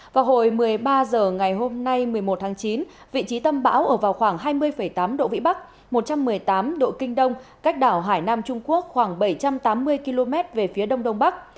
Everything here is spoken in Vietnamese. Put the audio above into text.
vào hồi một mươi ba h ngày hôm nay một mươi một tháng chín vị trí tâm bão ở vào khoảng hai mươi tám độ vĩ bắc một trăm một mươi tám độ kinh đông cách đảo hải nam trung quốc khoảng bảy trăm tám mươi km về phía đông đông bắc